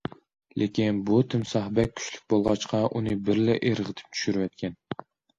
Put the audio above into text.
لېكىن بۇ تىمساھ بەك كۈچلۈك بولغاچقا، ئۇنى بىرلا ئىرغىتىپ چۈشۈرۈۋەتكەن.